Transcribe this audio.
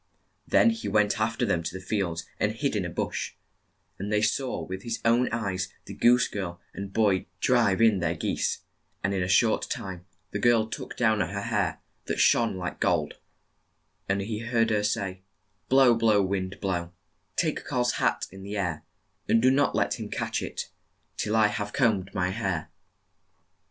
Then he went aft er them to the fields, and hid in a bush, and there saw with his own eyes the goose girl and boy drive in their geese, and in a short time the girl took down her hair, that shone like gold, and he heard her say, " Blow, blow, wind, blow ; Take Karl's hat in the air ; And do not let him catch it Till I have combed my hair."